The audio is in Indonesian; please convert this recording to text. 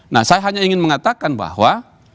nah saya hanya ingin mengatakan bahwa